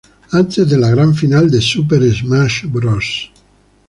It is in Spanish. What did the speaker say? Antes de la gran final de "Super Smash Bros.